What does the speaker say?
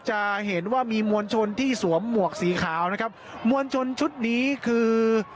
จะเห็นว่ามีมวลชนที่สวมหมวกสีขาวนะครับมวลชนชุดนี้คือ